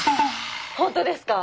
本当ですか！